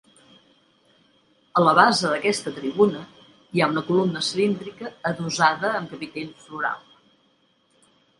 A la base d'aquesta tribuna hi ha una columna cilíndrica adossada amb capitell floral.